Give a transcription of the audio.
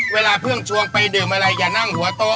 เวลาเพื่อนชวนไปดื่มอะไรอย่านั่งหัวโต๊